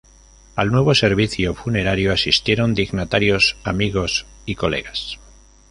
Al nuevo servicio funerario asistieron dignatarios, amigos y colegas.